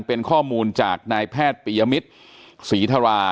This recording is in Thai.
เป็นข้อมูลจากนายแพทย์ปียมิตรศรีธรา